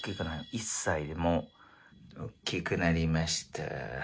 １歳でもう大っきくなりました。